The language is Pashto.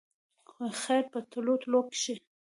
خو خېر په تلو تلو کښې